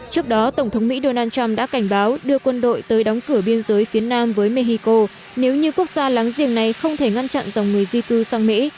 trước đó tổng thống mỹ donald trump đã cảnh báo đưa quân đội tới đóng cửa biên giới phía nam với mexico nếu như quốc gia láng giềng này không thể ngăn chặn dòng người di cư sang mỹ